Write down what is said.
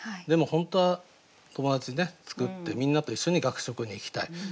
でも本当は友達作ってみんなと一緒に学食に行きたい。